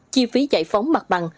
chi phí giải phóng mặt bằng